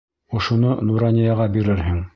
Ошоно Нуранияға бирерһең.